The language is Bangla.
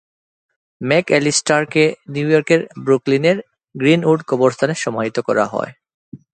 ম্যাকঅ্যালিস্টারকে নিউ ইয়র্কের ব্রুকলিনের গ্রীন-উড কবরস্থানে সমাহিত করা হয়।